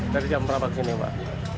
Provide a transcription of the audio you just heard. dari jam berapa kesini mbak